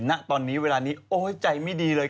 ณตอนนี้เวลานี้โอ๊ยใจไม่ดีเลย